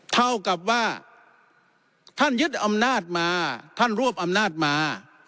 เท่ากับว่าท่านยึดอำนาจมาท่านรวบอำนาจมา